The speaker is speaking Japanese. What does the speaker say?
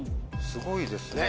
すごいですね。